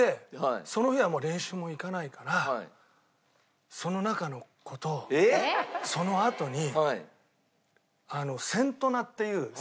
その日はもう練習も行かないからその中の子とそのあとにセントナっていう。